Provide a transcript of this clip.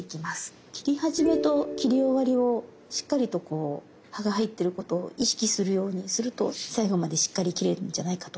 切り始めと切り終わりをしっかりと刃が入ってることを意識するようにすると最後までしっかり切れるんじゃないかと。